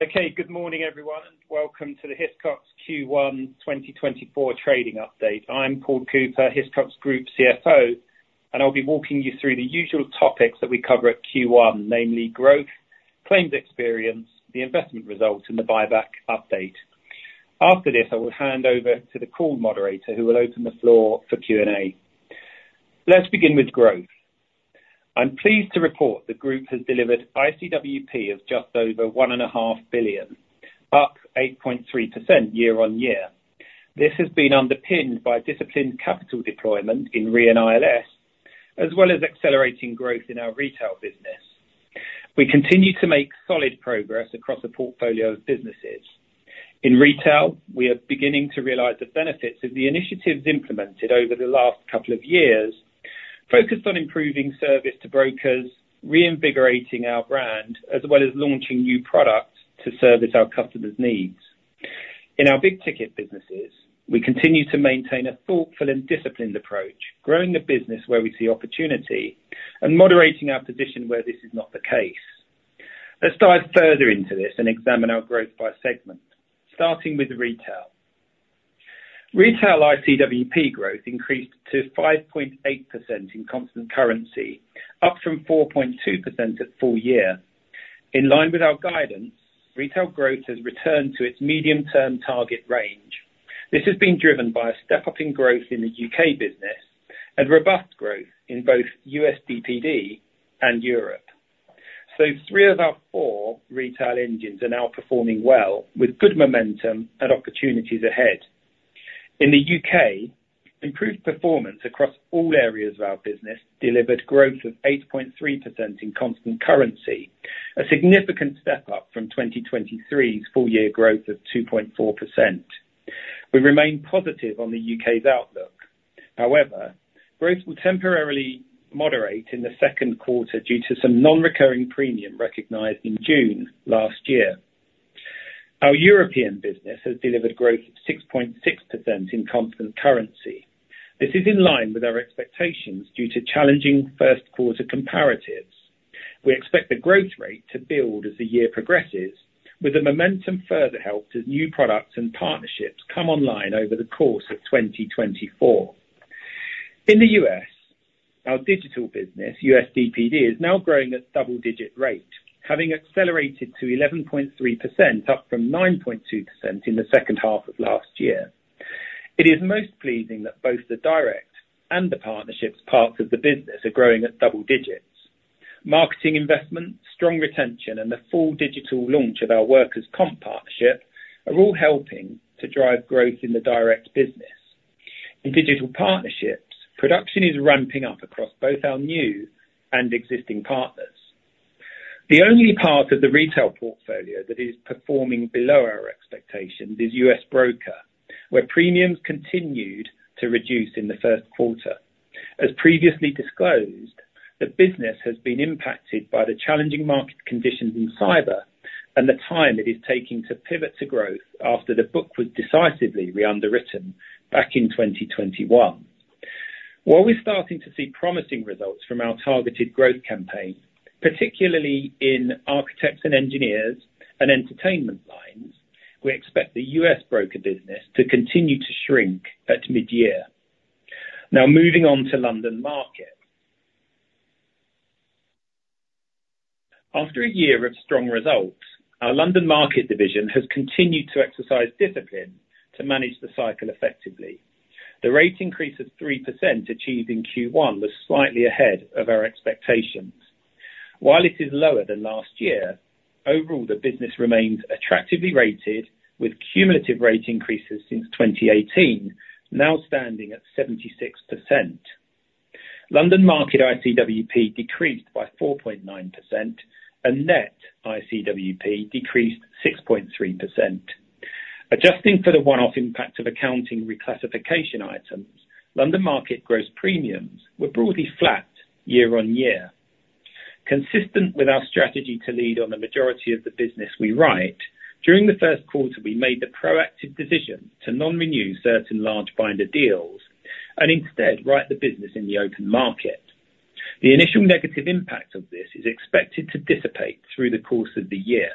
Okay, good morning, everyone, and welcome to the Hiscox Q1 2024 trading update. I'm Paul Cooper, Hiscox Group CFO, and I'll be walking you through the usual topics that we cover at Q1, namely growth, claims experience, the investment results, and the buyback update. After this, I will hand over to the call moderator, who will open the floor for Q&A. Let's begin with growth. I'm pleased to report the group has delivered ICWP of just over $1.5 billion, up 8.3% year-on-year. This has been underpinned by disciplined capital deployment in Re & ILS, as well as accelerating growth in our retail business. We continue to make solid progress across a portfolio of businesses. In retail, we are beginning to realize the benefits of the initiatives implemented over the last couple of years, focused on improving service to brokers, reinvigorating our brand, as well as launching new products to service our customers' needs. In our big ticket businesses, we continue to maintain a thoughtful and disciplined approach, growing the business where we see opportunity and moderating our position where this is not the case. Let's dive further into this and examine our growth by segment, starting with retail. Retail ICWP growth increased to 5.8% in constant currency, up from 4.2% at full year. In line with our guidance, retail growth has returned to its medium-term target range. This has been driven by a step-up in growth in the UK business and robust growth in both US DPD and Europe. So three of our four retail engines are now performing well with good momentum and opportunities ahead. In the U.K., improved performance across all areas of our business delivered growth of 8.3% in constant currency, a significant step up from 2023's full year growth of 2.4%. We remain positive on the U.K.'s outlook. However, growth will temporarily moderate in the second quarter due to some non-recurring premium recognized in June last year. Our European business has delivered growth of 6.6% in constant currency. This is in line with our expectations due to challenging first quarter comparatives. We expect the growth rate to build as the year progresses, with the momentum further helped as new products and partnerships come online over the course of 2024. In the US, our digital business, US DPD, is now growing at double-digit rate, having accelerated to 11.3%, up from 9.2% in the second half of last year. It is most pleasing that both the direct and the partnerships parts of the business are growing at double digits. Marketing investment, strong retention, and the full digital launch of our workers' comp partnership are all helping to drive growth in the direct business. In digital partnerships, production is ramping up across both our new and existing partners. The only part of the retail portfolio that is performing below our expectations is US Broker, where premiums continued to reduce in the first quarter. As previously disclosed, the business has been impacted by the challenging market conditions in cyber and the time it is taking to pivot to growth after the book was decisively re-underwritten back in 2021. While we're starting to see promising results from our targeted growth campaign, particularly in architects and engineers and entertainment lines, we expect the US broker business to continue to shrink at mid-year. Now, moving on to London Market. After a year of strong results, our London Market division has continued to exercise discipline to manage the cycle effectively. The rate increase of 3% achieved in Q1 was slightly ahead of our expectations. While it is lower than last year, overall, the business remains attractively rated, with cumulative rate increases since 2018 now standing at 76%. London Market ICWP decreased by 4.9%, and net ICWP decreased 6.3%. Adjusting for the one-off impact of accounting reclassification items, London Market gross premiums were broadly flat year-on-year. Consistent with our strategy to lead on the majority of the business we write, during the first quarter, we made the proactive decision to non-renew certain large binder deals and instead write the business in the open market. The initial negative impact of this is expected to dissipate through the course of the year.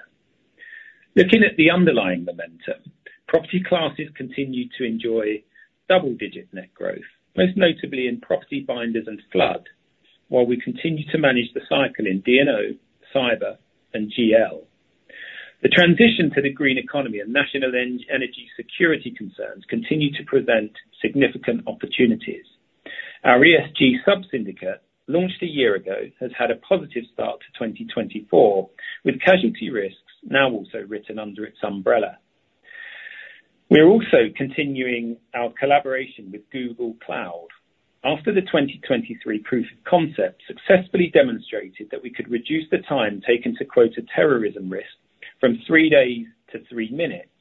Looking at the underlying momentum, property classes continued to enjoy double-digit net growth, most notably in property binders and flood, while we continue to manage the cycle in D&O, Cyber, and GL. The transition to the green economy and national energy security concerns continue to present significant opportunities. Our ESG sub-syndicate, launched a year ago, has had a positive start to 2024, with casualty risks now also written under its umbrella. We are also continuing our collaboration with Google Cloud. After the 2023 proof of concept successfully demonstrated that we could reduce the time taken to quote a terrorism risk from 3 days to 3 minutes,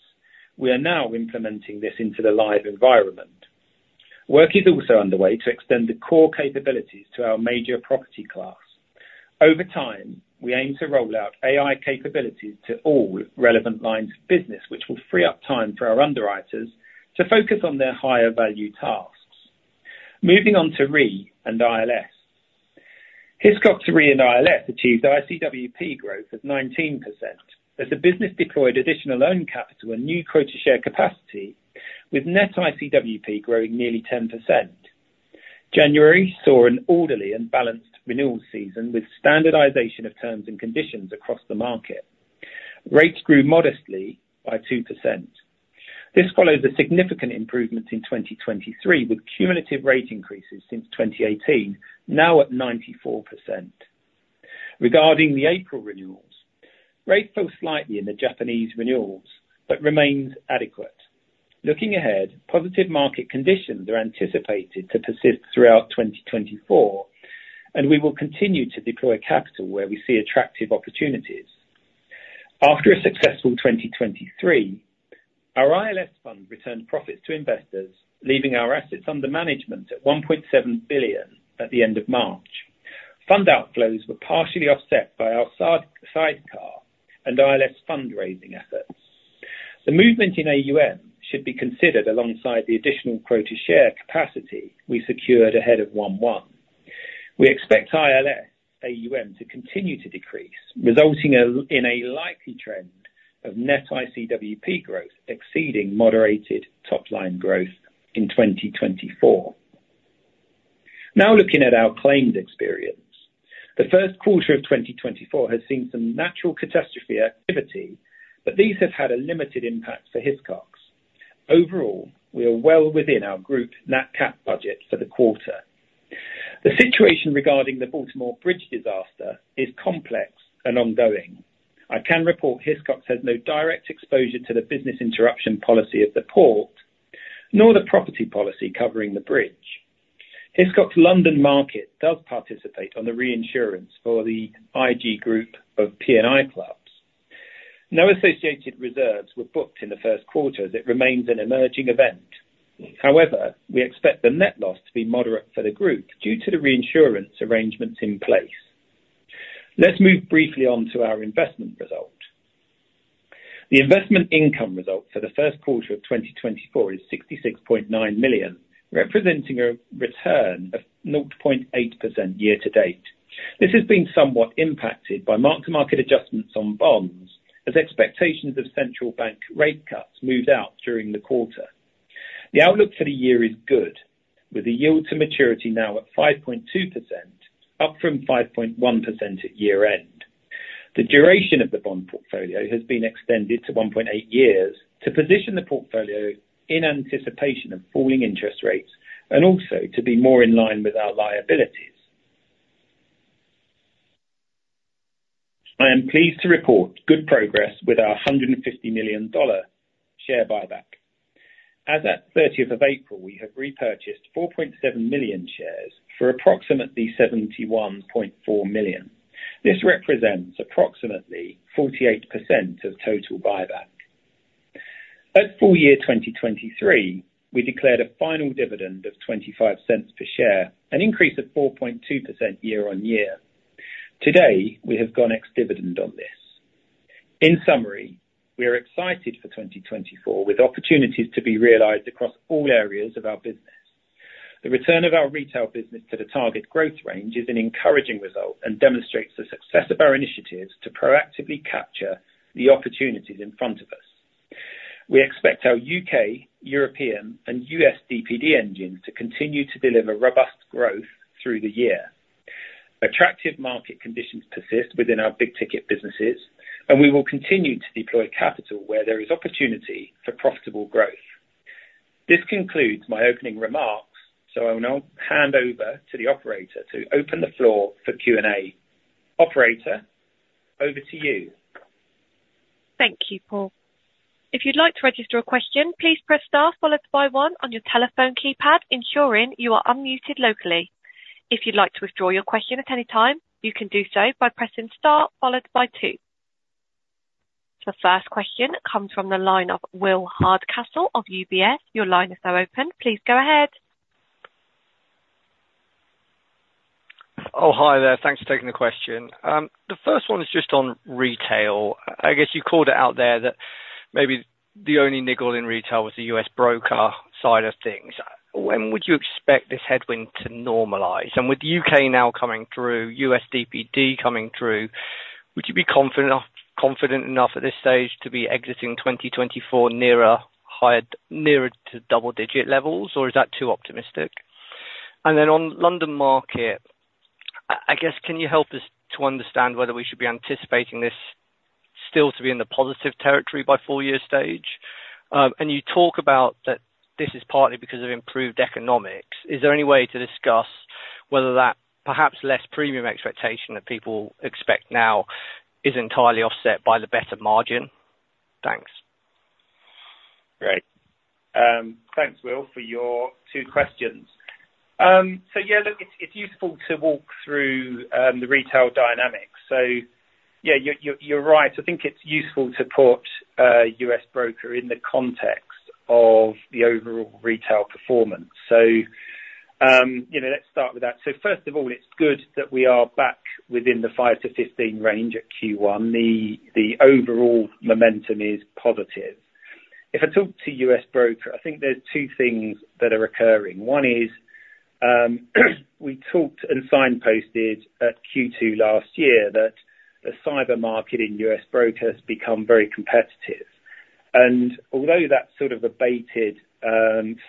we are now implementing this into the live environment. Work is also underway to extend the core capabilities to our major property class. Over time, we aim to roll out AI capabilities to all relevant lines of business, which will free up time for our underwriters to focus on their higher value tasks. Moving on to Re & ILS. Hiscox Re & ILS achieved ICWP growth of 19%, as the business deployed additional own capital and new quota share capacity, with net ICWP growing nearly 10%. January saw an orderly and balanced renewal season, with standardization of terms and conditions across the market, rates grew modestly by 2%. This followed a significant improvement in 2023, with cumulative rate increases since 2018 now at 94%. Regarding the April renewals, rates fell slightly in the Japanese renewals, but remains adequate. Looking ahead, positive market conditions are anticipated to persist throughout 2024, and we will continue to deploy capital where we see attractive opportunities. After a successful 2023, our ILS fund returned profits to investors, leaving our assets under management at $1.7 billion at the end of March. Fund outflows were partially offset by our sidecar and ILS fundraising efforts. The movement in AUM should be considered alongside the additional quota share capacity we secured ahead of 1/1. We expect ILS AUM to continue to decrease, resulting in a likely trend of net ICWP growth exceeding moderated top-line growth in 2024. Now, looking at our claims experience. The first quarter of 2024 has seen some natural catastrophe activity, but these have had a limited impact for Hiscox. Overall, we are well within our group nat cat budget for the quarter. The situation regarding the Baltimore Bridge disaster is complex and ongoing. I can report Hiscox has no direct exposure to the business interruption policy of the port, nor the property policy covering the bridge. Hiscox London Market does participate on the reinsurance for the IG group of P&I clubs. No associated reserves were booked in the first quarter, as it remains an emerging event. However, we expect the net loss to be moderate for the group, due to the reinsurance arrangements in place. Let's move briefly on to our investment result. The investment income result for the first quarter of 2024 is $66.9 million, representing a return of 0.8% year to date. This has been somewhat impacted by mark-to-market adjustments on bonds, as expectations of central bank rate cuts moved out during the quarter. The outlook for the year is good, with the yield to maturity now at 5.2%, up from 5.1% at year-end. The duration of the bond portfolio has been extended to 1.8 years, to position the portfolio in anticipation of falling interest rates, and also to be more in line with our liabilities. I am pleased to report good progress with our $150 million share buyback. As at 30th of April, we have repurchased 4.7 million shares for approximately $71.4 million. This represents approximately 48% of total buyback. At full year 2023, we declared a final dividend of $0.25 per share, an increase of 4.2% year-on-year. Today, we have gone ex-dividend on this. In summary, we are excited for 2024, with opportunities to be realized across all areas of our business. The return of our retail business to the target growth range is an encouraging result and demonstrates the success of our initiatives to proactively capture the opportunities in front of us. We expect our UK, European, and US DPD engine to continue to deliver robust growth through the year. Attractive market conditions persist within our big ticket businesses, and we will continue to deploy capital where there is opportunity for profitable growth. This concludes my opening remarks, so I will now hand over to the operator to open the floor for Q&A. Operator, over to you. Thank you, Paul. If you'd like to register a question, please press star followed by one on your telephone keypad, ensuring you are unmuted locally. If you'd like to withdraw your question at any time, you can do so by pressing star followed by two. The first question comes from the line of Will Hardcastle of UBS. Your line is now open. Please go ahead. Oh, hi there. Thanks for taking the question. The first one is just on retail. I guess you called it out there that maybe the only niggle in retail was the US broker side of things. When would you expect this headwind to normalize? And with UK now coming through, US DPD coming through, would you be confident enough, confident enough at this stage to be exiting 2024 nearer higher—nearer to double-digit levels, or is that too optimistic? And then on London Market, I guess, can you help us to understand whether we should be anticipating this still to be in the positive territory by four-year stage? And you talk about that this is partly because of improved economics. Is there any way to discuss whether that perhaps less premium expectation that people expect now is entirely offset by the better margin? Thanks. Great. Thanks, Will, for your 2 questions. So yeah, look, it's useful to walk through the retail dynamics. So yeah, you're right. I think it's useful to put a U.S. broker in the context of the overall retail performance. So, you know, let's start with that. So first of all, it's good that we are back within the 5-15 range at Q1. The overall momentum is positive. If I talk to US Broker, I think there's 2 things that are occurring. One is, we talked and signposted at Q2 last year, that the cyber market in U.S. brokers become very competitive. And although that sort of abated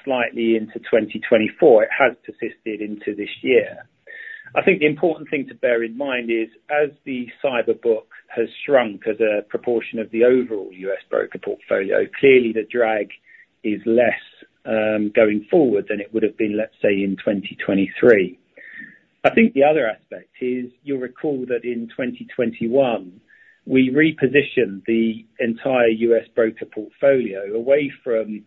slightly into 2024, it has persisted into this year. I think the important thing to bear in mind is, as the cyber book has shrunk as a proportion of the overall US broker portfolio, clearly the drag is less, going forward than it would have been, let's say, in 2023. I think the other aspect is, you'll recall that in 2021, we repositioned the entire US broker portfolio away from,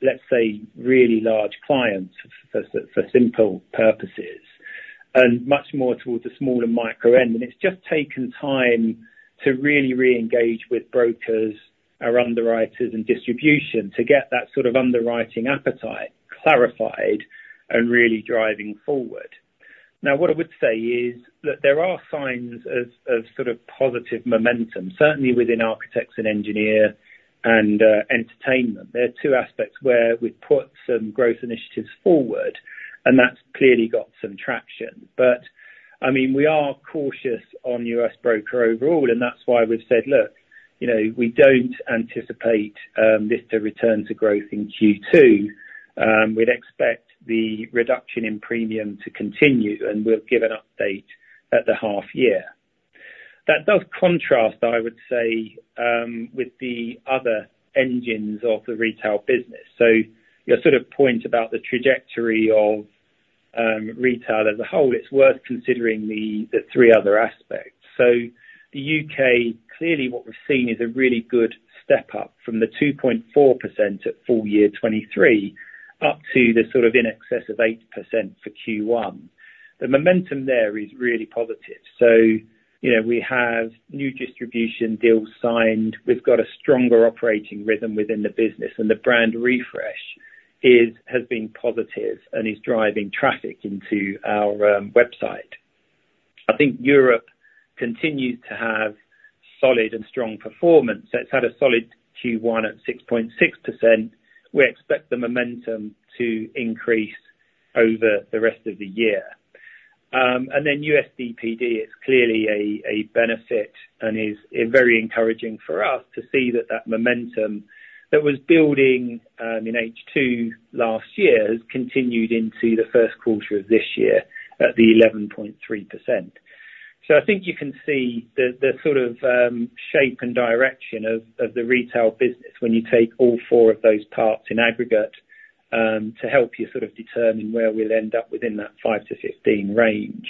let's say, really large clients, for simple purposes, and much more towards the smaller micro end. And it's just taken time to really re-engage with brokers, our underwriters, and distribution, to get that sort of underwriting appetite clarified and really driving forward. Now, what I would say is, that there are signs of sort of positive momentum, certainly within architects and engineers and entertainment. There are two aspects where we've put some growth initiatives forward, and that's clearly got some traction. But, I mean, we are cautious on US broker overall, and that's why we've said, look, you know, we don't anticipate this to return to growth in Q2. We'd expect the reduction in premium to continue, and we'll give an update at the half year. That does contrast, I would say, with the other engines of the retail business. So your sort of point about the trajectory of retail as a whole, it's worth considering the three other aspects. So the UK, clearly what we've seen is a really good step up from the 2.4% at full year 2023, up to the sort of in excess of 8% for Q1. The momentum there is really positive. So, you know, we have new distribution deals signed. We've got a stronger operating rhythm within the business, and the brand refresh has been positive, and is driving traffic into our website. I think Europe continues to have solid and strong performance. It's had a solid Q1 at 6.6%. We expect the momentum to increase over the rest of the year. And then US DPD is clearly a benefit and is very encouraging for us to see that that momentum that was building in H2 last year has continued into the first quarter of this year at the 11.3%. So I think you can see the sort of shape and direction of the retail business when you take all four of those parts in aggregate to help you sort of determine where we'll end up within that 5%-15% range.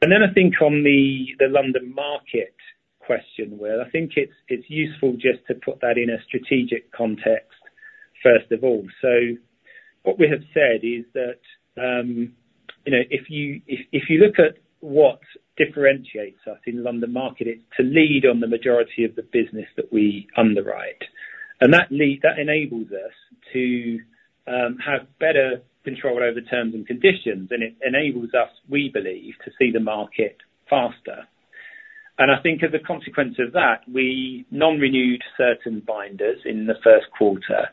And then I think on the London Market question, where I think it's useful just to put that in a strategic context, first of all. So what we have said is that, you know, if you look at what differentiates us in London Market, it's to lead on the majority of the business that we underwrite. And that lead enables us to have better control over terms and conditions, and it enables us, we believe, to see the market faster. And I think as a consequence of that, we non-renewed certain binders in the first quarter.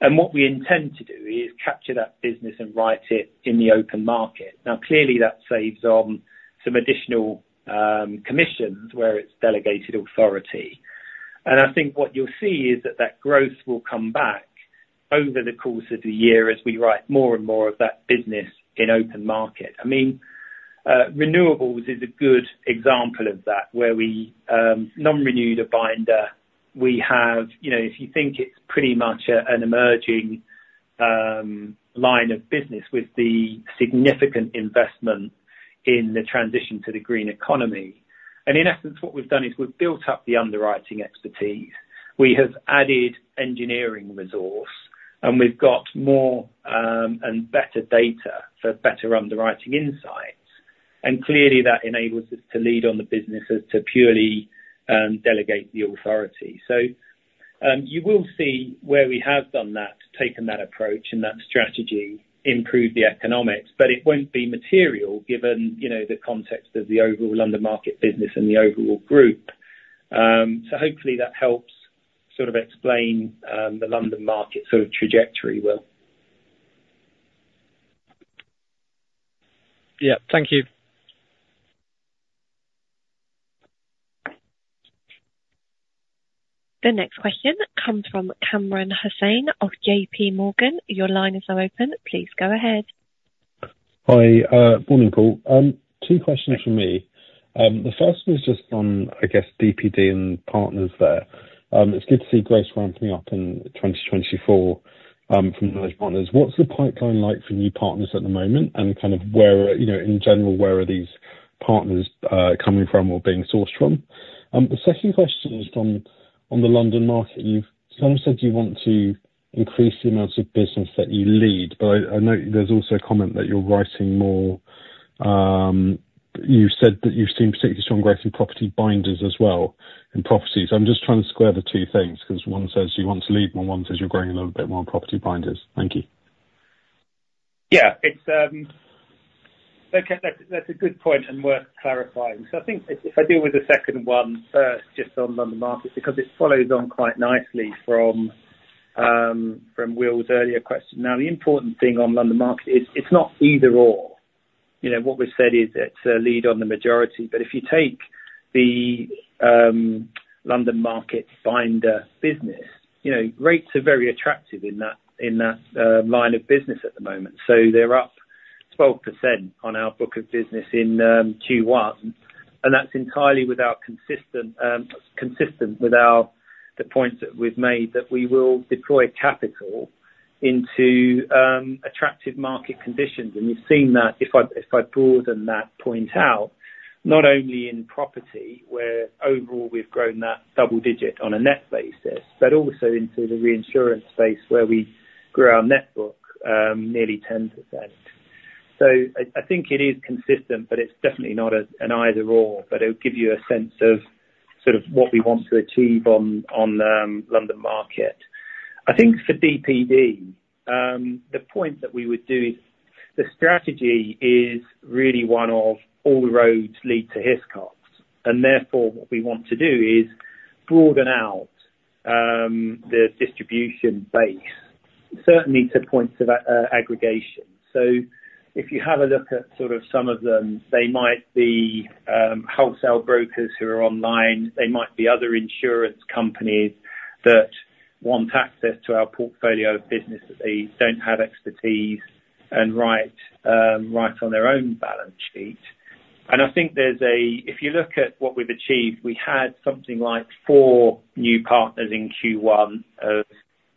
And what we intend to do is capture that business and write it in the open market. Now, clearly, that saves on some additional commissions where it's delegated authority. I think what you'll see is that, that growth will come back over the course of the year as we write more and more of that business in open market. I mean, renewables is a good example of that, where we non-renewed a binder. We have. You know, if you think it's pretty much an emerging line of business with the significant investment in the transition to the green economy. And in essence, what we've done is we've built up the underwriting expertise. We have added engineering resource, and we've got more and better data for better underwriting insights. And clearly, that enables us to lead on the business as to purely delegate the authority. So, you will see where we have done that, taken that approach and that strategy, improve the economics, but it won't be material, given, you know, the context of the overall London Market business and the overall group. So hopefully that helps sort of explain, the London Market sort of trajectory well. Yeah. Thank you. The next question comes from Kamran Hossain of J.P. Morgan. Your line is now open. Please go ahead. Hi, morning, Paul. Two questions from me. The first one is just on, I guess, DPD and partners there. It's good to see growth ramping up in 2024, from those partners. What's the pipeline like for new partners at the moment, and kind of where, you know, in general, where are these partners, coming from or being sourced from? The second question is from, on the London Market. You've kind of said you want to increase the amount of business that you lead, but I note there's also a comment that you're writing more. You've said that you've seen particularly strong growth in property binders as well, and properties. I'm just trying to square the two things, because one says you want to lead, and one says you're growing a little bit more on property binders. Thank you.... Yeah, it's okay, that's a good point and worth clarifying. So I think if I deal with the second one first, just on London Market, because it follows on quite nicely from Will's earlier question. Now, the important thing on London Market is it's not either/or. You know, what we've said is it's a lead on the majority, but if you take the London Market binder business, you know, rates are very attractive in that line of business at the moment. So they're up 12% on our book of business in Q1, and that's entirely consistent with our points that we've made, that we will deploy capital into attractive market conditions. And we've seen that, if I broaden that point out, not only in property, where overall we've grown that double-digit on a net basis, but also into the reinsurance space, where we grew our net book nearly 10%. So I think it is consistent, but it's definitely not an either/or, but it'll give you a sense of sort of what we want to achieve on London Market. I think for DPD, the point that we would do is. The strategy is really one of all roads lead to Hiscox, and therefore, what we want to do is broaden out the distribution base, certainly to points of aggregation. So if you have a look at sort of some of them, they might be wholesale brokers who are online, they might be other insurance companies that want access to our portfolio of business, that they don't have expertise and write on their own balance sheet. And I think there's a. If you look at what we've achieved, we had something like four new partners in Q1 of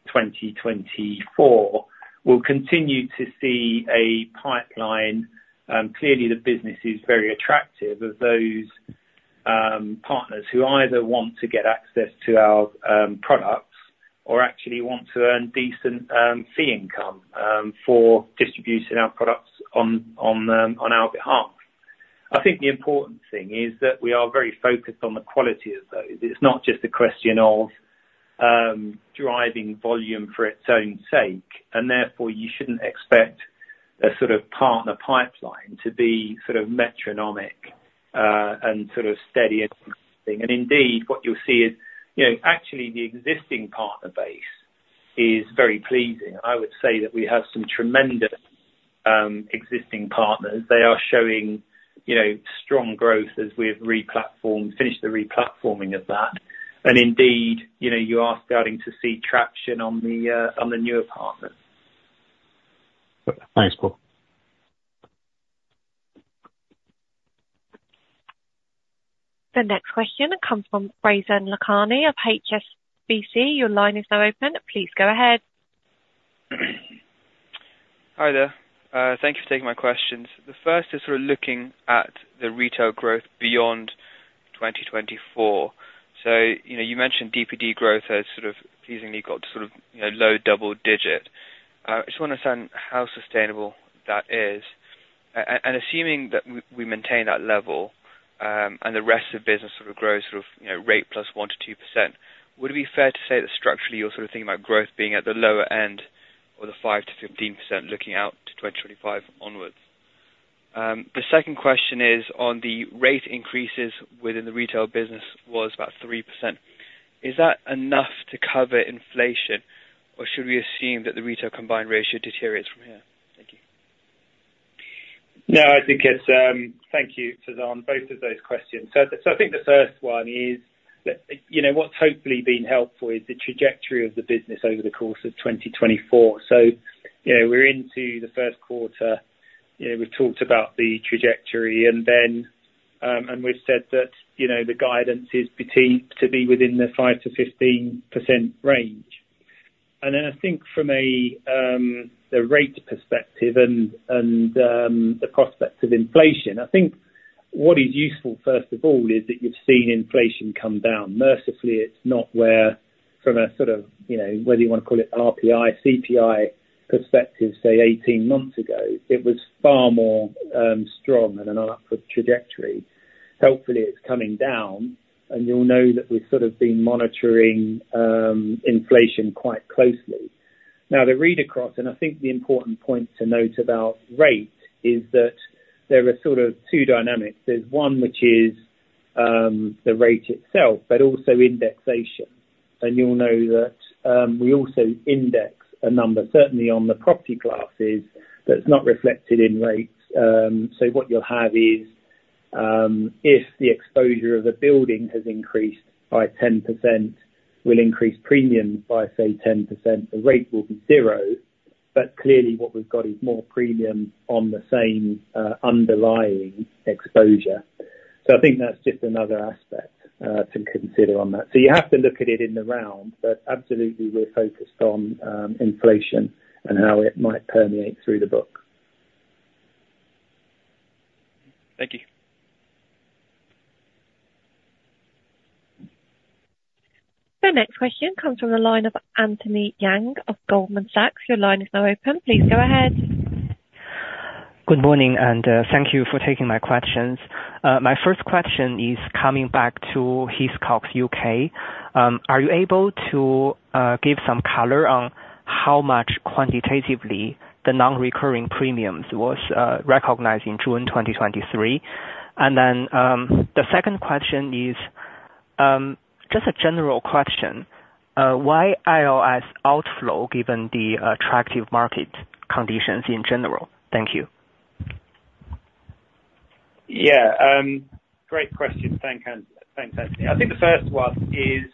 2024. We'll continue to see a pipeline, clearly, the business is very attractive of those partners, who either want to get access to our products or actually want to earn decent fee income for distributing our products on our behalf. I think the important thing is that we are very focused on the quality of those. It's not just a question of driving volume for its own sake, and therefore, you shouldn't expect a sort of partner pipeline to be sort of metronomic and sort of steady. And indeed, what you'll see is, you know, actually the existing partner base is very pleasing. I would say that we have some tremendous existing partners. They are showing, you know, strong growth as we've replatformed, finished the replatforming of that. And indeed, you know, you are starting to see traction on the newer partners. Thanks, Paul. The next question comes from Faizan Lakhani of HSBC. Your line is now open. Please go ahead. Hi, there. Thank you for taking my questions. The first is sort of looking at the retail growth beyond 2024. So, you know, you mentioned DPD growth has sort of pleasingly got sort of, you know, low double digit. I just want to understand how sustainable that is. And assuming that we maintain that level, and the rest of the business sort of grows sort of, you know, rate plus 1%-2%, would it be fair to say that structurally you're sort of thinking about growth being at the lower end, or the 5%-15% looking out to 2025 onwards? The second question is on the rate increases within the retail business was about 3%. Is that enough to cover inflation, or should we assume that the retail combined ratio deteriorates from here? Thank you. No, I think it's... Thank you, Faizan, on both of those questions. So, I think the first one is that, you know, what's hopefully been helpful is the trajectory of the business over the course of 2024. So, you know, we're into the first quarter, you know, we've talked about the trajectory, and then, and we've said that, you know, the guidance is to be, to be within the 5%-15% range. And then I think from a rate perspective and the prospects of inflation, I think what is useful, first of all, is that you've seen inflation come down. Mercifully, it's not where, from a sort of, you know, whether you want to call it RPI, CPI perspective, say, 18 months ago, it was far more strong and on an upward trajectory. Hopefully, it's coming down, and you'll know that we've sort of been monitoring inflation quite closely. Now, the read across, and I think the important point to note about rates, is that there are sort of two dynamics. There's one which is the rate itself, but also indexation. And you'll know that we also index a number, certainly on the property classes, that's not reflected in rates. So what you'll have is, if the exposure of a building has increased by 10%, we'll increase premiums by, say, 10%, the rate will be zero. But clearly what we've got is more premium on the same underlying exposure. So I think that's just another aspect to consider on that. You have to look at it in the round, but absolutely, we're focused on inflation and how it might permeate through the book. Thank you. The next question comes from the line of Anthony Yang of Goldman Sachs. Your line is now open. Please go ahead.... Good morning, and thank you for taking my questions. My first question is coming back to Hiscox UK. Are you able to give some color on how much quantitatively the non-recurring premiums was recognized in June 2023? And then, the second question is just a general question. Why ILS outflow, given the attractive market conditions in general? Thank you. Yeah. Great question. Thanks, Anthony. I think the first one is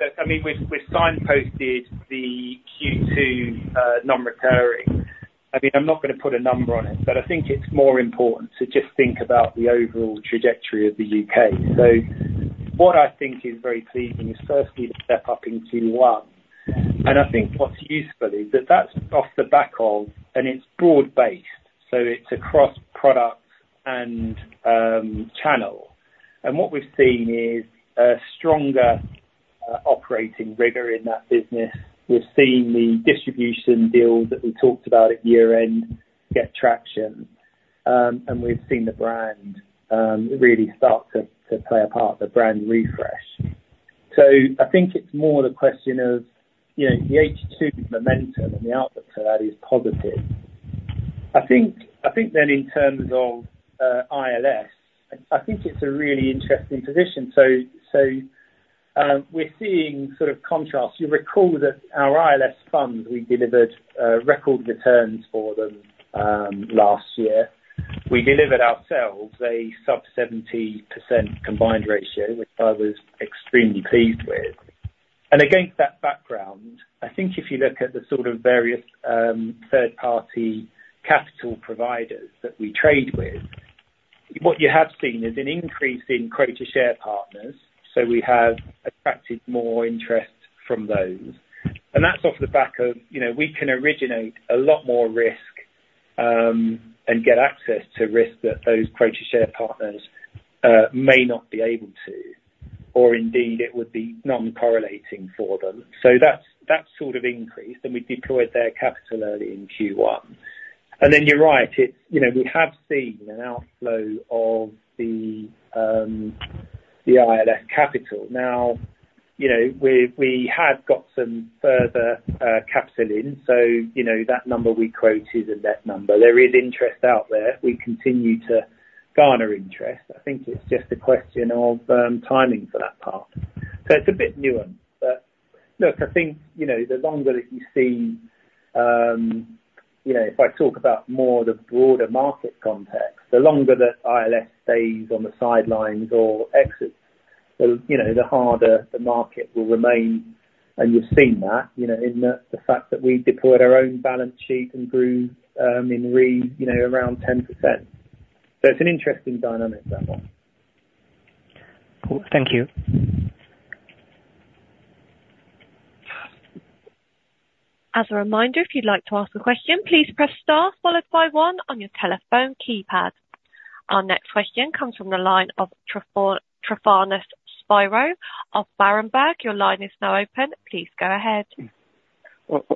that, I mean, we've, we signposted the Q2 non-recurring. I mean, I'm not gonna put a number on it, but I think it's more important to just think about the overall trajectory of the UK. So what I think is very pleasing is firstly, the step up in Q1, and I think what's useful is that that's off the back of, and it's broad based, so it's across products and channel. And what we've seen is a stronger operating rigor in that business. We've seen the distribution deals that we talked about at year end get traction. And we've seen the brand really start to, to play a part in the brand refresh. So I think it's more the question of, you know, the H2 momentum and the output to that is positive. I think, I think then in terms of, ILS, I think it's a really interesting position. So, we're seeing sort of contrasts. You'll recall that our ILS funds, we delivered, record returns for them, last year. We delivered ourselves a sub 70% combined ratio, which I was extremely pleased with. And against that background, I think if you look at the sort of various, third party capital providers that we trade with, what you have seen is an increase in quota share partners. So we have attracted more interest from those. That's off the back of, you know, we can originate a lot more risk, and get access to risk that those quota share partners may not be able to, or indeed it would be non-correlating for them. So that's, that's sort of increased, and we deployed their capital early in Q1. Then you're right, it's... You know, we have seen an outflow of the, the ILS capital. Now, you know, we, we had got some further, capital in, so, you know, that number we quoted, a net number. There is interest out there. We continue to garner interest. I think it's just a question of, timing for that part. So it's a bit newen. But look, I think, you know, the longer that you see, you know, if I talk about more the broader market context, the longer that ILS stays on the sidelines or exits, the, you know, the harder the market will remain. And you've seen that, you know, in the, the fact that we deployed our own balance sheet and grew, in re, you know, around 10%. So it's an interesting dynamic, that one. Cool. Thank you. As a reminder, if you'd like to ask a question, please press star followed by one on your telephone keypad. Our next question comes from the line of Tryfonas Spyrou of Berenberg. Your line is now open. Please go ahead.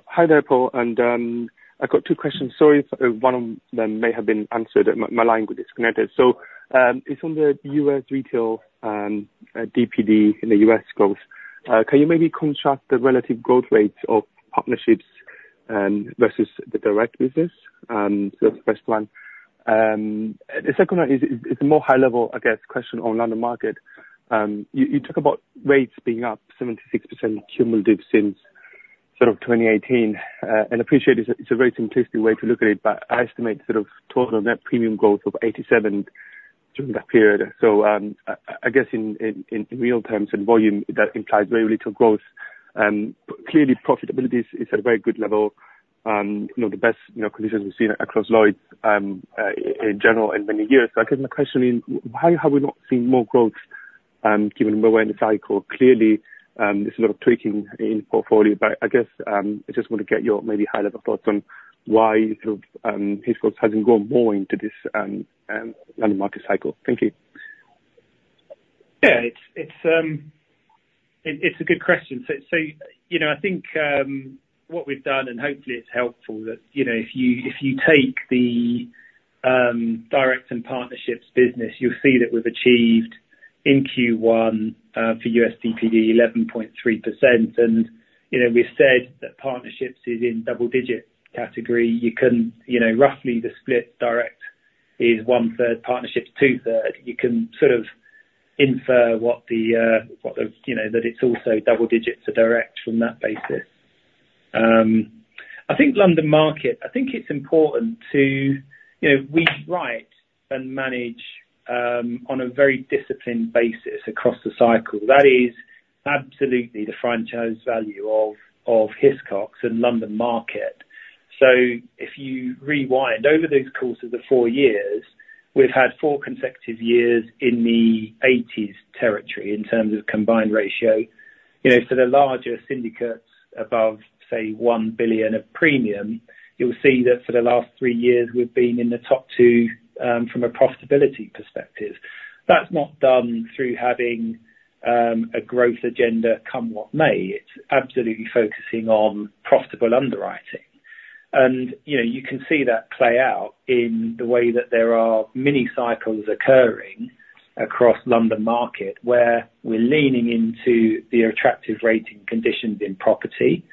Hi there, Paul, and I've got two questions. Sorry if one of them may have been answered. My line got disconnected. So, it's on the US retail, DPD in the US growth. Can you maybe contrast the relative growth rates of partnerships versus the direct business? So the first one. The second one is more high level, I guess, question on London Market. You talk about rates being up 76% cumulative since sort of 2018. And appreciate it's a very simplistic way to look at it, but I estimate sort of total net premium growth of 87% during that period. So, I guess in real terms and volume, that implies very little growth. Clearly profitability is at a very good level. You know, the best, you know, conditions we've seen across Lloyds, in general in many years. So I guess my question is: Why have we not seen more growth, given we're in the cycle? Clearly, there's a lot of tweaking in portfolio, but I guess, I just want to get your maybe high-level thoughts on why, sort of, Hiscox hasn't grown more into this, London market cycle. Thank you. Yeah, it's a good question. So, you know, I think what we've done, and hopefully it's helpful, that you know, if you take the direct and partnerships business, you'll see that we've achieved in Q1 for USDPD, 11.3%. And, you know, we've said that partnerships is in double-digit category. You can, you know, roughly the split, direct is one-third, partnerships two-thirds. You can sort of infer what the what the you know that it's also double digits are direct from that basis. I think London Market, I think it's important to you know we write and manage on a very disciplined basis across the cycle. That is absolutely the franchise value of Hiscox in London Market. So if you rewind, over the course of the four years, we've had four consecutive years in the 80s territory in terms of combined ratio. You know, for the larger syndicates above, say, 1 billion of premium, you'll see that for the last three years we've been in the top two, from a profitability perspective. That's not done through having, a growth agenda, come what may. It's absolutely focusing on profitable underwriting. And, you know, you can see that play out in the way that there are mini cycles occurring across London Market, where we're leaning into the attractive rating conditions in property.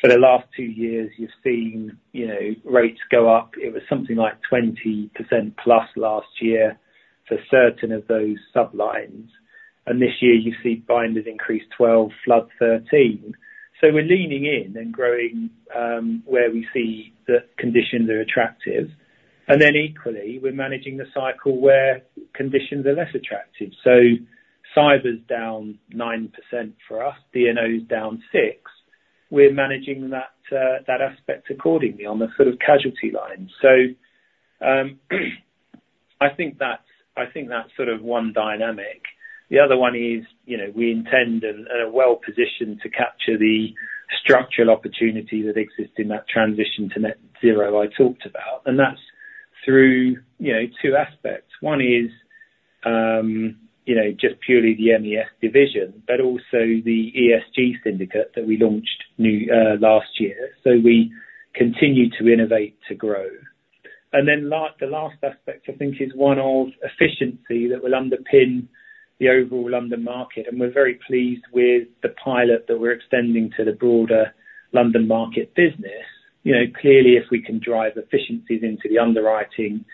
For the last two years, you've seen, you know, rates go up. It was something like 20% plus last year, for certain of those sub-lines. And this year, you see binders increase 12, flood 13. So we're leaning in and growing where we see that conditions are attractive. And then equally, we're managing the cycle where conditions are less attractive. So cyber's down 9% for us, D&O's down 6%. We're managing that aspect accordingly on the sort of casualty line. So, I think that's, I think that's sort of one dynamic. The other one is, you know, we intend and are well positioned to capture the structural opportunity that exists in that transition to net zero I talked about, and that's through, you know, two aspects. One is, you know, just purely the MES division, but also the ESG syndicate that we launched new last year. So we continue to innovate, to grow. And then the last aspect, I think, is one of efficiency that will underpin the overall London Market, and we're very pleased with the pilot that we're extending to the broader London Market business. You know, clearly, if we can drive efficiencies into the underwriting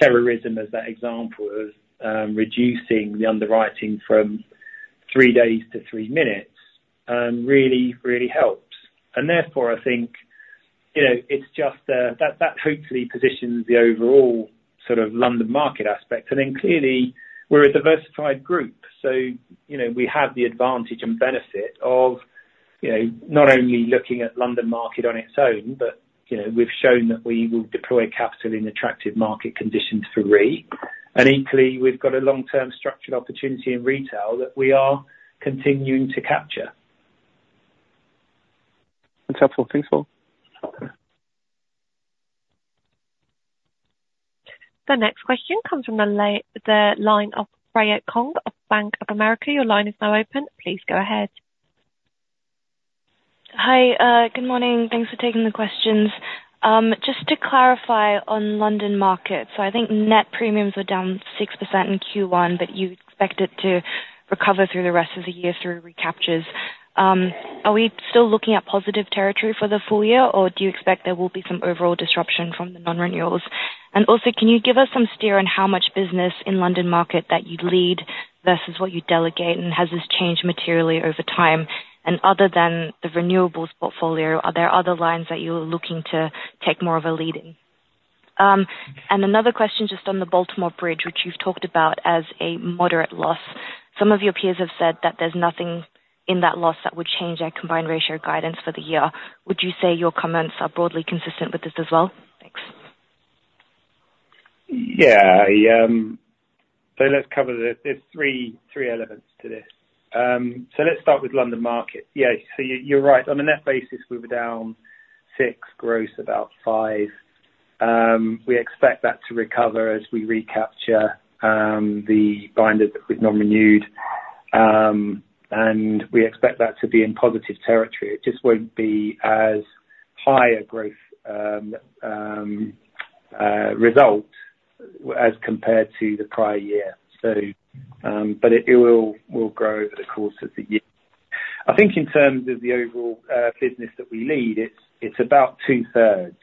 terrorism as that example of reducing the underwriting from three days to three minutes, really, really helps. And therefore, I think, you know, it's just that hopefully positions the overall sort of London Market aspect. And then clearly, we're a diversified group, so, you know, we have the advantage and benefit of, you know, not only looking at London Market on its own, but, you know, we've shown that we will deploy capital in attractive market conditions for Re. And equally, we've got a long-term structured opportunity in retail, that we are continuing to capture. That's helpful. Thanks, Paul. The next question comes from the line of Freya Kong of Bank of America. Your line is now open. Please go ahead. Hi, good morning. Thanks for taking the questions. Just to clarify on London Market, so I think net premiums were down 6% in Q1, but you expect it to recover through the rest of the year through recaptures. Are we still looking at positive territory for the full year, or do you expect there will be some overall disruption from the non-renewals? And also, can you give us some steer on how much business in London Market that you lead, versus what you delegate, and has this changed materially over time? And other than the renewables portfolio, are there other lines that you're looking to take more of a lead in? And another question just on the Baltimore Bridge, which you've talked about as a moderate loss. Some of your peers have said that there's nothing in that loss that would change our combined ratio guidance for the year. Would you say your comments are broadly consistent with this as well? Thanks. Yeah. So let's cover the there's three elements to this. So let's start with London Market. Yeah, so you're right. On a net basis, we were down 6, gross about 5. We expect that to recover as we recapture the binders that we've non-renewed. And we expect that to be in positive territory. It just won't be as high a growth result as compared to the prior year. So, but it will grow over the course of the year. I think in terms of the overall business that we lead, it's about 2/3.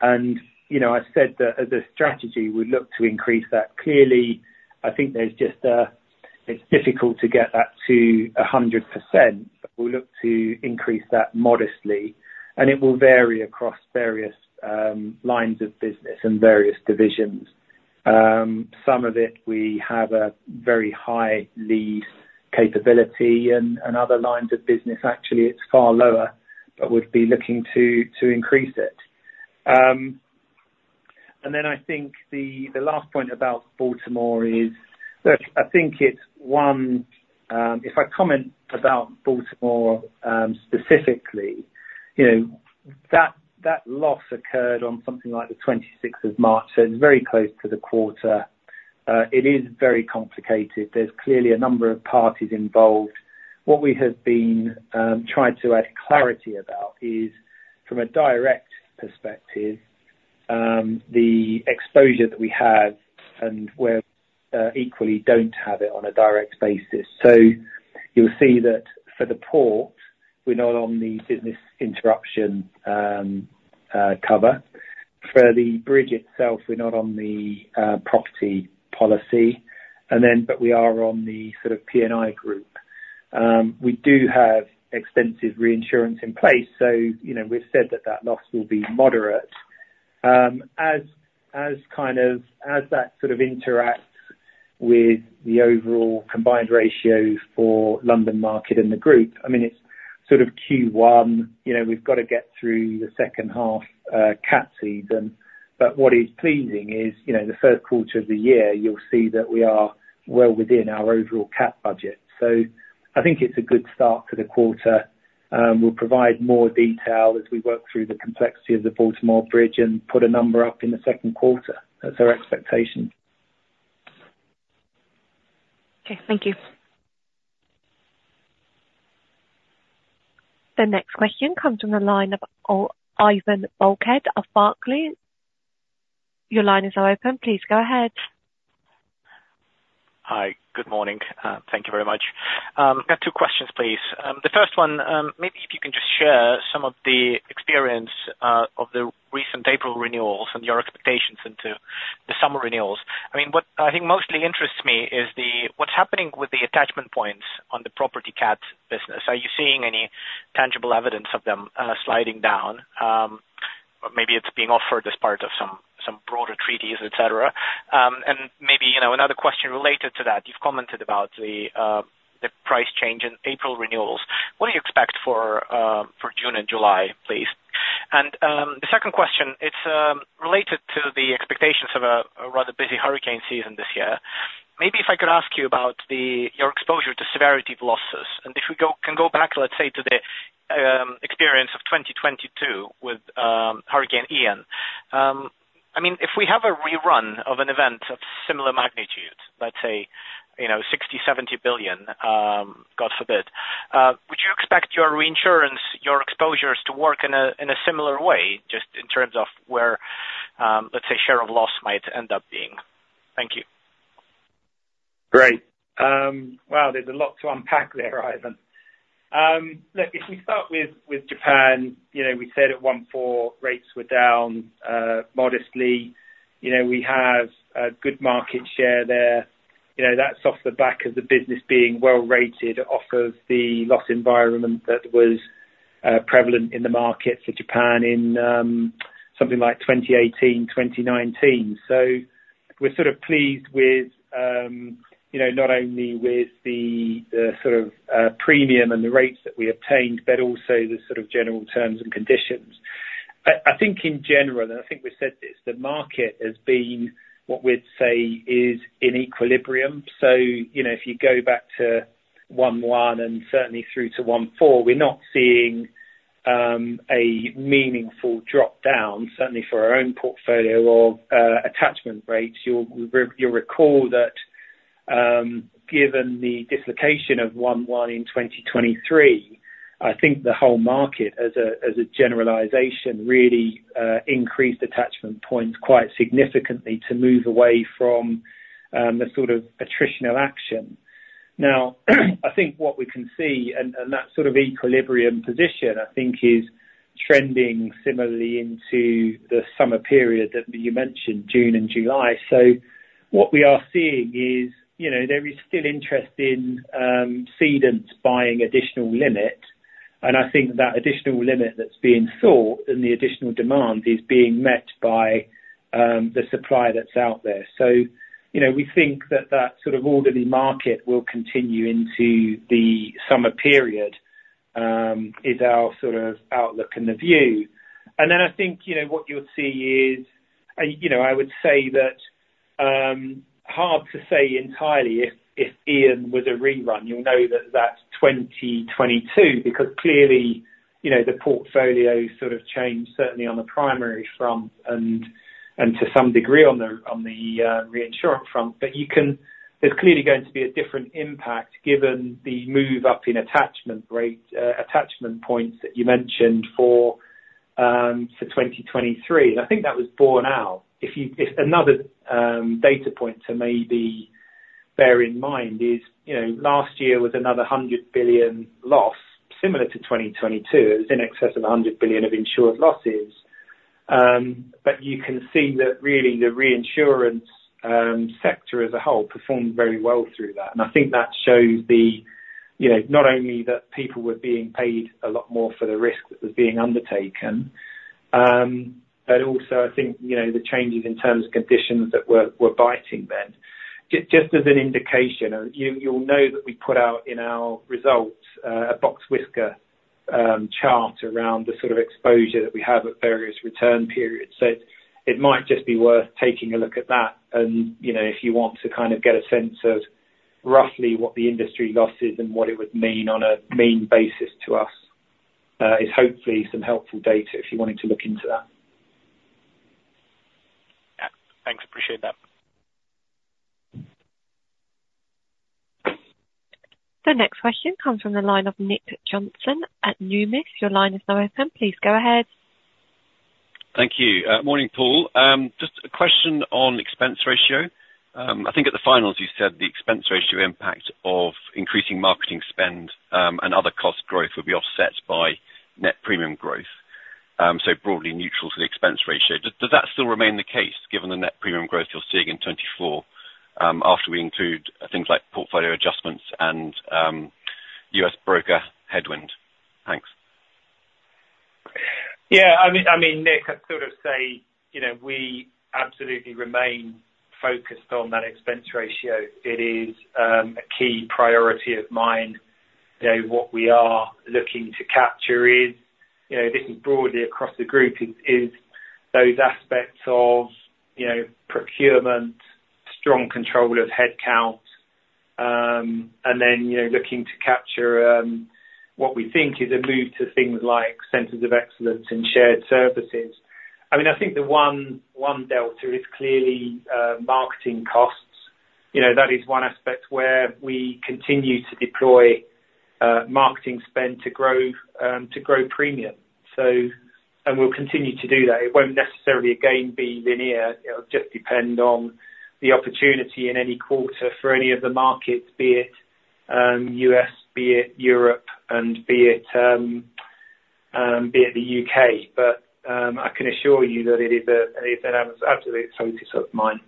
And, you know, I said that as a strategy, we look to increase that. Clearly, I think there's just a... It's difficult to get that to 100%. We'll look to increase that modestly, and it will vary across various lines of business and various divisions. Some of it we have a very high lead capability, and other lines of business, actually, it's far lower, but we'd be looking to increase it. And then I think the last point about Baltimore is... Look, I think it's one. If I comment about Baltimore, specifically, you know, that loss occurred on something like the twenty-sixth of March, so it's very close to the quarter. It is very complicated. There's clearly a number of parties involved. What we have been trying to add clarity about is, from a direct perspective, the exposure that we have and where equally don't have it on a direct basis. So you'll see that for the port, we're not on the business interruption cover. For the bridge itself, we're not on the property policy, and then, but we are on the sort of P&I Group. We do have extensive reinsurance in place, so, you know, we've said that that loss will be moderate. As kind of that sort of interacts with the overall combined ratio for London Market and the group, I mean, it's sort of Q1, you know, we've got to get through the second half, cat season. But what is pleasing is, you know, the first quarter of the year, you'll see that we are well within our overall cat budget. So I think it's a good start to the quarter. We'll provide more detail as we work through the complexity of the Baltimore Bridge and put a number up in the second quarter. That's our expectation. Okay, thank you. The next question comes from the line of Ivan Bokhmat of Barclays. Your line is now open, please go ahead. Hi. Good morning. Thank you very much. I've got two questions, please. The first one, maybe if you can just share some of the experience of the recent April renewals and your expectations into the summer renewals. I mean, what I think mostly interests me is what's happening with the attachment points on the property cat business. Are you seeing any tangible evidence of them sliding down? Or maybe it's being offered as part of some broader treaties, et cetera. And maybe, you know, another question related to that, you've commented about the price change in April renewals. What do you expect for June and July, please? And the second question, it's related to the expectations of a rather busy hurricane season this year. Maybe if I could ask you about the, your exposure to severity of losses. And if we go back, let's say, to the experience of 2022 with Hurricane Ian. I mean, if we have a rerun of an event of similar magnitude, let's say, you know, $60 billion-$70 billion, God forbid, would you expect your reinsurance, your exposures to work in a, in a similar way, just in terms of where, let's say, share of loss might end up being? Thank you. Great. Wow, there's a lot to unpack there, Ivan. Look, if we start with Japan, you know, we said at 1.4, rates were down modestly. You know, we have a good market share there. You know, that's off the back of the business being well-rated off of the loss environment that was prevalent in the market for Japan in something like 2018, 2019. So we're sort of pleased with, you know, not only with the sort of premium and the rates that we obtained, but also the sort of general terms and conditions. I think in general, and I think we've said this, the market has been, what we'd say, is in equilibrium. So, you know, if you go back to 1/1 and certainly through to 1/4, we're not seeing a meaningful drop-down, certainly for our own portfolio or attachment rates. You'll recall that, given the dislocation of 1/1 in 2023, I think the whole market, as a generalization, really increased attachment points quite significantly to move away from the sort of attritional action. Now, I think what we can see, and that sort of equilibrium position, I think is trending similarly into the summer period that you mentioned, June and July. So what we are seeing is, you know, there is still interest in cedants buying additional limit, and I think that additional limit that's being sought and the additional demand is being met by the supply that's out there. So, you know, we think that, that sort of orderly market will continue into the summer period, is our sort of outlook and the view. And then I think, you know, what you'll see is... And, you know, I would say that, hard to say entirely if, if Ian was a rerun, you'll know that that's 2022, because clearly, you know, the portfolio sort of changed, certainly on the primary front, and, and to some degree on the, on the, reinsurance front. But you can-- there's clearly going to be a different impact given the move up in attachment rate, attachment points, that you mentioned for, for 2023. And I think that was borne out. If you... If another, data point to maybe bear in mind is, you know, last year was another $100 billion loss, similar to 2022. It was in excess of $100 billion of insured losses. But you can see that really the reinsurance sector as a whole performed very well through that. And I think that shows the, you know, not only that people were being paid a lot more for the risk that was being undertaken, but also I think, you know, the changes in terms of conditions that were, were biting then. Just as an indication, you, you'll know that we put out in our results a box whisker chart around the sort of exposure that we have at various return periods. It might just be worth taking a look at that and, you know, if you want to kind of get a sense of roughly what the industry loss is, and what it would mean on a mean basis to us, is hopefully some helpful data, if you're wanting to look into that. Yeah. Thanks, appreciate that. The next question comes from the line of Nick Johnson at Numis. Your line is now open. Please go ahead. Thank you. Morning, Paul. Just a question on expense ratio. I think at the finals, you said the expense ratio impact of increasing marketing spend and other cost growth would be offset by net premium growth. So broadly neutral to the expense ratio. Does, does that still remain the case given the net premium growth you're seeing in 2024, after we include things like portfolio adjustments and U.S. broker headwind? Thanks. Yeah, I mean, Nick, I'd sort of say, you know, we absolutely remain focused on that expense ratio. It is a key priority of mine. You know, what we are looking to capture is, you know, this is broadly across the group, is those aspects of, you know, procurement—strong control of headcount, and then, you know, looking to capture, what we think is a move to things like centers of excellence and shared services. I mean, I think the one delta is clearly, marketing costs. You know, that is one aspect where we continue to deploy, marketing spend to grow, to grow premium. So, and we'll continue to do that. It won't necessarily again, be linear. It'll just depend on the opportunity in any quarter for any of the markets, be it U.S., be it Europe, and be it the U.K. But, I can assure you that it is a, it is an absolute focus of mine.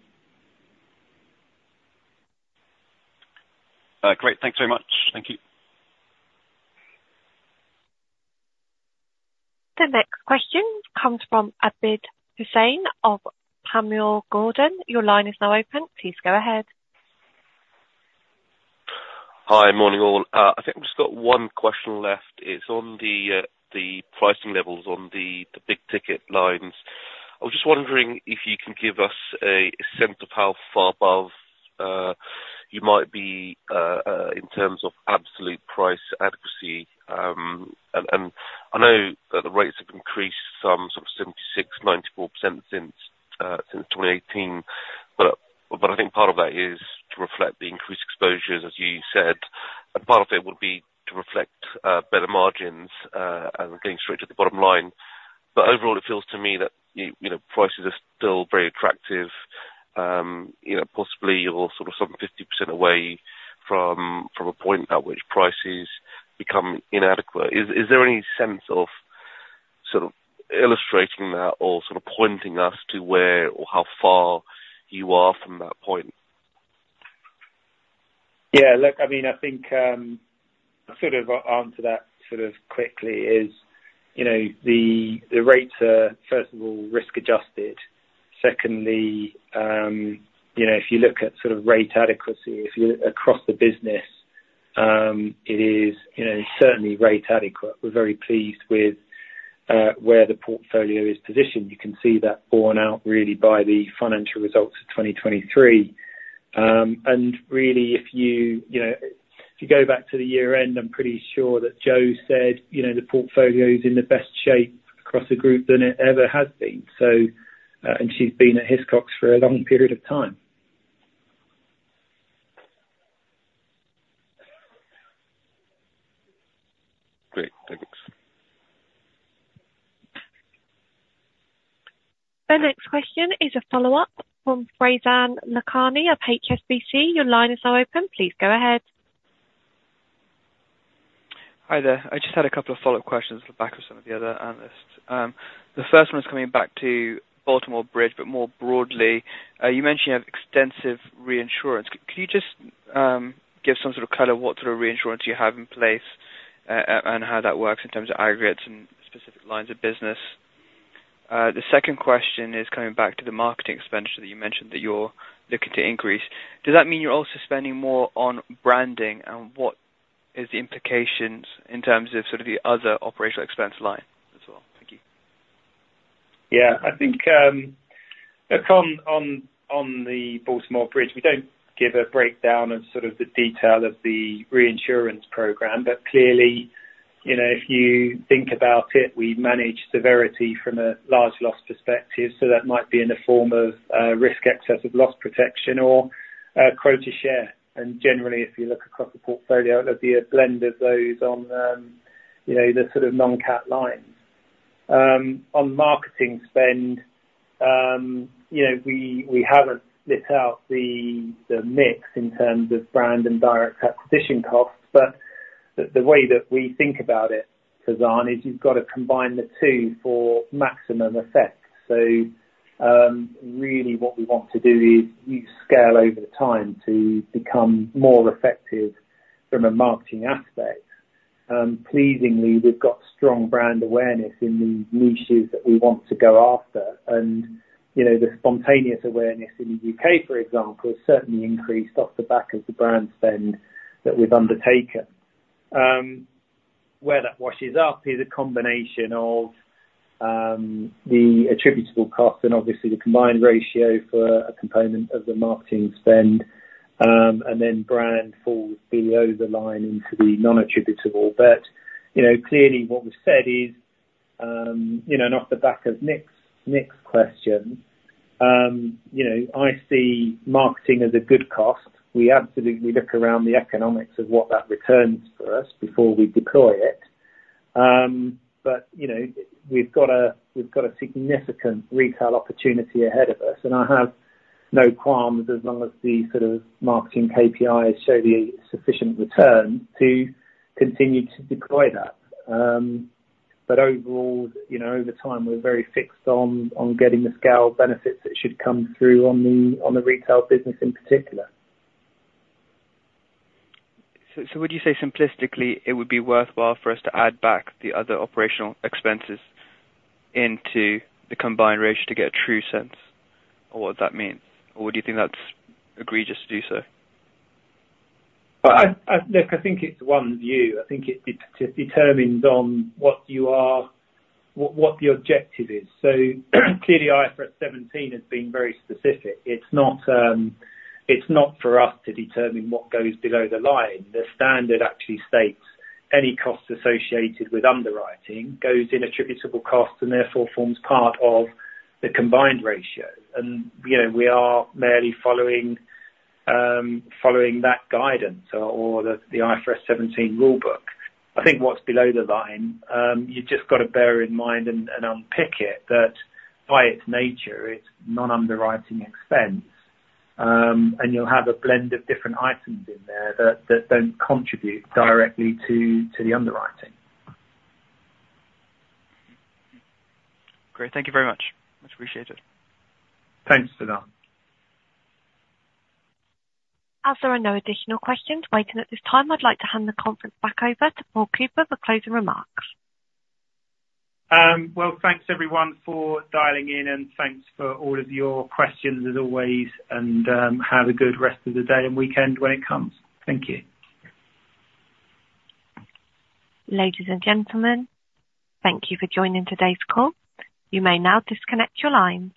Great. Thanks very much. Thank you. The next question comes from Abid Hussain of Panmure Gordon. Your line is now open. Please go ahead. Hi, morning all. I think I've just got one question left. It's on the pricing levels on the big ticket lines. I was just wondering if you can give us a sense of how far above you might be in terms of absolute price adequacy. And I know that the rates have increased some sort of 76%-94% since 2018, but I think part of that is to reflect the increased exposures, as you said, and part of it would be to reflect better margins and getting straight to the bottom line. But overall, it feels to me that you know, prices are still very attractive, you know, possibly you're sort of some 50% away from a point at which prices become inadequate. Is there any sense of sort of illustrating that or sort of pointing us to where or how far you are from that point? Yeah, look, I mean, I think, sort of answer that sort of quickly is, you know, the, the rates are, first of all, risk adjusted. Secondly, you know, if you look at sort of rate adequacy, if you look across the business, it is, you know, certainly rate adequate. We're very pleased with where the portfolio is positioned. You can see that borne out really by the financial results of 2023. And really, if you, you know, if you go back to the year end, I'm pretty sure that Jo said, you know, the portfolio is in the best shape across the group than it ever has been. So, and she's been at Hiscox for a long period of time. Great. Thanks. The next question is a follow-up from Faizan Lakhani of HSBC. Your line is now open. Please go ahead. Hi there. I just had a couple of follow-up questions on the back of some of the other analysts. The first one is coming back to Baltimore Bridge, but more broadly, you mentioned you have extensive reinsurance. Could you just give some sort of color what sort of reinsurance you have in place, and how that works in terms of aggregates and specific lines of business? The second question is coming back to the marketing expenditure that you mentioned, that you're looking to increase. Does that mean you're also spending more on branding? And what is the implications in terms of sort of the other operational expense line as well? Thank you. Yeah, I think, look, on, on, on the Baltimore Bridge, we don't give a breakdown of sort of the detail of the reinsurance program. But clearly, you know, if you think about it, we manage severity from a large loss perspective, so that might be in the form of, risk excess of loss protection or, quota share. And generally, if you look across the portfolio, it'll be a blend of those on, you know, the sort of non-cat lines. On marketing spend, you know, we, we haven't split out the, the mix in terms of brand and direct acquisition costs, but the, the way that we think about it, Faizan, is you've got to combine the two for maximum effect. So, really what we want to do is use scale over time to become more effective from a marketing aspect. Pleasingly, we've got strong brand awareness in the niches that we want to go after. And, you know, the spontaneous awareness in the UK, for example, has certainly increased off the back of the brand spend that we've undertaken. Where that washes up is a combination of the attributable cost and obviously the combined ratio for a component of the marketing spend, and then brand falls below the line into the non-attributable. But, you know, clearly what we've said is, you know, and off the back of Nick's question, you know, I see marketing as a good cost. We absolutely look around the economics of what that returns for us before we deploy it. But, you know, we've got a significant retail opportunity ahead of us, and I have no qualms as long as the sort of marketing KPIs show the sufficient return to continue to deploy that. But overall, you know, over time, we're very fixed on getting the scale benefits that should come through on the retail business in particular. So, would you say simplistically, it would be worthwhile for us to add back the other operational expenses into the combined ratio to get a true sense of what that means? Or do you think that's egregious to do so? Well, look, I think it's one view. I think it determines on what you are, what the objective is. So, clearly, IFRS seventeen has been very specific. It's not for us to determine what goes below the line. The standard actually states, any costs associated with underwriting goes in attributable costs and therefore forms part of the combined ratio. And, you know, we are merely following that guidance or the IFRS 17 rule book. I think what's below the line, you've just got to bear in mind and unpick it, that by its nature, it's non-underwriting expense. And you'll have a blend of different items in there, that don't contribute directly to the underwriting. Great. Thank you very much. Much appreciated. Thanks, Faizan. As there are no additional questions waiting at this time, I'd like to hand the conference back over to Paul Cooper for closing remarks. Well, thanks everyone for dialing in, and thanks for all of your questions, as always, and have a good rest of the day and weekend when it comes. Thank you. Ladies and gentlemen, thank you for joining today's call. You may now disconnect your lines.